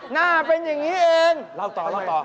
หน้าเป็นอย่างนี้เองเล่าต่อ